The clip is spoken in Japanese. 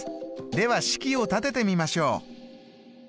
では式を立ててみましょう。